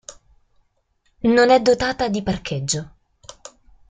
Non è dotata di parcheggio.